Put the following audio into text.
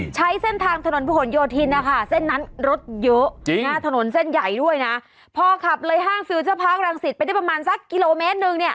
ใช้เส้นทางถนนผู้หลโยธินนะคะเส้นนั้นรถเยอะถนนเส้นใหญ่ด้วยนะพอขับเลยห้างฟิลเจอร์พาร์ครังสิตไปได้ประมาณสักกิโลเมตรหนึ่งเนี่ย